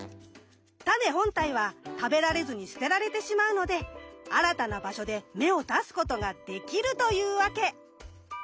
タネ本体は食べられずに捨てられてしまうので新たな場所で芽を出すことができるというわけ。